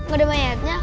gak ada mayatnya